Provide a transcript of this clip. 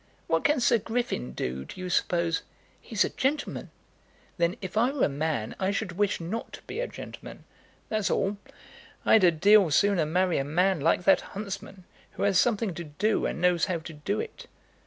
What can Sir Griffin do, do you suppose?" "He's a gentleman." "Then if I were a man, I should wish not to be a gentleman; that's all. I'd a deal sooner marry a man like that huntsman, who has something to do and knows how to do it."